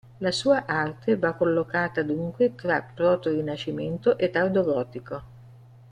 La sua arte va collocata dunque tra proto-rinascimento e tardo-gotico.